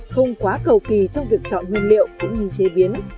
không quá cầu kỳ trong việc chọn nguyên liệu cũng như chế biến